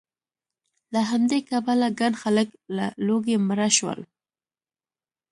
له همدې کبله ګڼ خلک له لوږې مړه شول